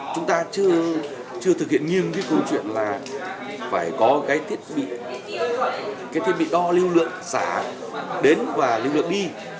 chưa thực hiện nhưng cái câu chuyện là phải có cái thiết bị đo lưu lượng xả đến và lưu lượng đi